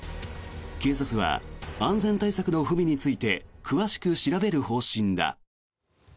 警察は安全対策の不備について詳しく調べる方針だ。